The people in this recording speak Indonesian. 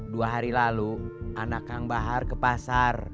dua hari lalu anak kang bahar ke pasar